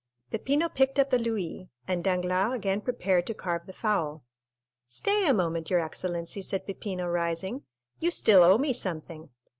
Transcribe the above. Peppino picked up the louis, and Danglars again prepared to carve the fowl. "Stay a moment, your excellency," said Peppino, rising; "you still owe me something."